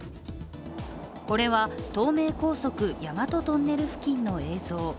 これは東名高速大和トンネル付近の映像。